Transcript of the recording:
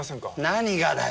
何がだよ？